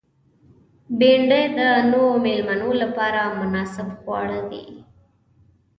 بېنډۍ د نوو مېلمنو لپاره مناسب خواړه دي